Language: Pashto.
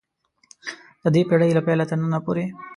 د دې پېړۍ له پیله تر ننه پورې ده.